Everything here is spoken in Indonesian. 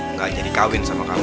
nggak jadi kawin sama kamu